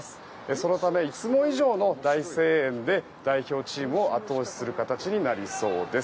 そのため、いつも以上の大声援で代表チームを後押しする形になりそうです。